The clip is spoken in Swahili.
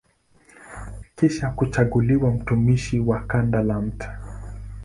Kisha kuchaguliwa mtumishi wa kanda ya Mt.